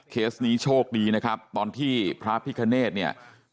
เคสนี้โชคดีนะครับตอนที่พระพิคเนธเนี่ย